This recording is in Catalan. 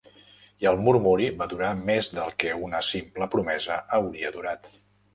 I el murmuri va durar més del que una simple promesa hauria durat.